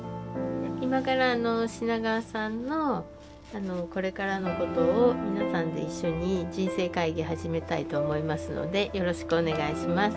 今から品川さんのこれからのことを皆さんで一緒に人生会議始めたいと思いますのでよろしくお願いします。